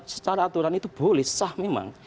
secara aturan itu boleh sah memang